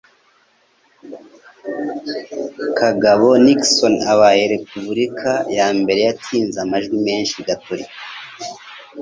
Kagabo Nixon abaye Repubulika ya mbere yatsinze amajwi menshi Gatolika